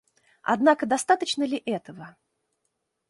Однако достаточно ли этого?